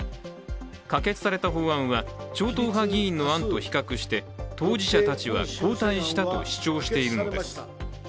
可決された法案は、超党派議員の案と比較して当事者たちは後退したと主張しているのです。